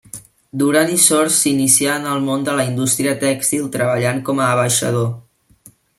Duran i Sors s'inicià en el món de la indústria tèxtil treballant com a abaixador.